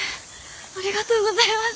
ありがとうございます。